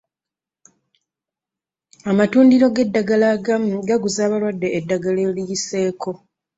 Amatundiro g'eddagala agamu gaguza abalwadde eddagala eriyiseeko.